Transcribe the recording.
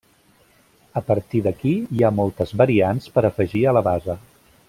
A partir d'aquí hi ha moltes variants per afegir a la base.